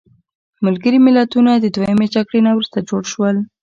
ملګري ملتونه د دویمې جګړې نه وروسته جوړ شول.